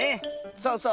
そうそう。